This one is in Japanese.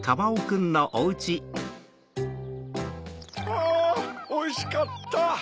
あぁおいしかった！